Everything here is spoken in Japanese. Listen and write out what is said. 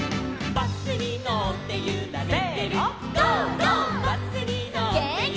「バスにのってゆられてる」せの！